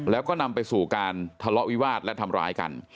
แล้วก็นำไปสู่การทะเลาะวิวาสและทำร้ายกัน